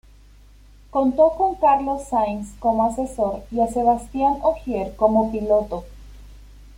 Contó con Carlos Sainz como asesor y a Sebastien Ogier como piloto.